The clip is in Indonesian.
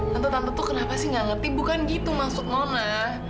tante tante tuh kenapa sih nggak ngerti bukan gitu maksud nona